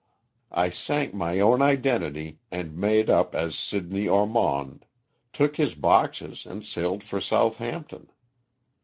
I sank my own identity and made up as Sidney Ormond, took his boxes and sailed for Southampton.